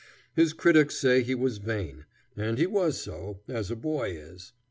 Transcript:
His critics say he was vain, and he was so, as a boy is.